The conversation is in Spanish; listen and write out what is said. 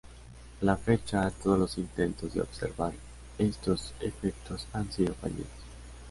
A la fecha, todos los intentos de observar estos efectos han sido fallidos.